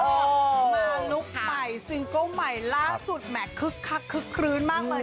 มาลุคใหม่ซิงเกิ้ลใหม่ล่าสุดแหม่คึกคักคึกคลื้นมากเลย